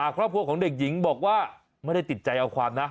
ครอบครัวของเด็กหญิงบอกว่าไม่ได้ติดใจเอาความนะ